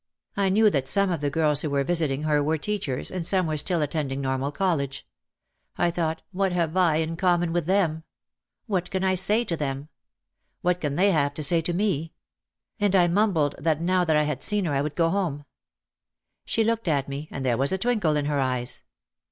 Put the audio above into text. I knew that some of the girls who were visit ing her were teachers, and some were still attending normal college. I thought, What have I in common with them ? What can I say to them ? What can they have to say to me ? And I mumbled that now that I had seen her I would go home. She looked at me, and there was a twinkle in her eyes.